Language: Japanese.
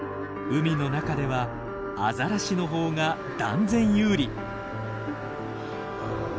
海の中ではアザラシの方が断然有利。